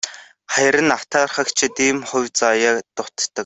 Харин атаархагчдад ийм хувь заяа дутдаг.